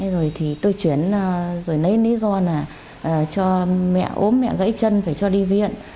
rồi tôi chuyển rồi nấy lý do là cho mẹ ốm mẹ gãy chân phải cho đi viện